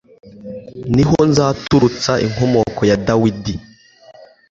Ni ho nzaturutsa inkomoko ya Dawudi